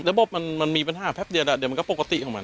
ระบบมันมีปัญหาแป๊บเดียวเดี๋ยวมันก็ปกติของมัน